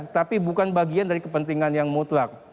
tapi bukan bagian dari kepentingan yang mutlak